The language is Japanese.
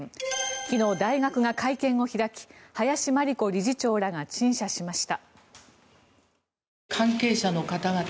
昨日、大学が会見を開き林真理子理事長らが陳謝しました。